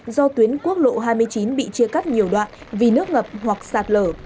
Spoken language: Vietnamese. do tuyến quốc lộ hai mươi chín bị chia cắt nhiều đoạn vì nước ngập hoặc sạt lở